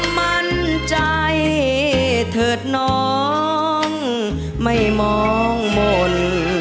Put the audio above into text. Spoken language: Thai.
มั่นใจเถิดน้องไม่มองมนต์